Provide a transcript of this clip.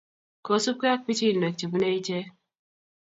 kosupgei ak pichiinwek chebune ichek